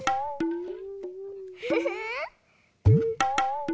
フフフー！